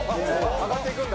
上がっていくんだ。